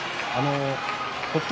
北勝